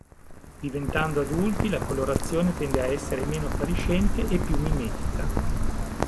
Diventando adulti la colorazione tende a essere meno appariscente e più mimetica.